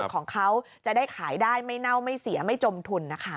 ของเขาจะได้ขายได้ไม่เน่าไม่เสียไม่จมทุนนะคะ